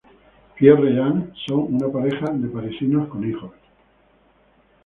Pierre y Anne son una pareja de parisinos con hijos.